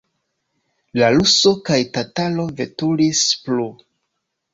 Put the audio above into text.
La ruso kaj tataro veturis plu.